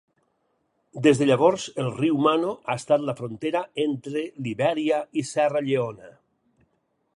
Des de llavors, el riu Mano ha estat la frontera entre Libèria i Serra Lleona.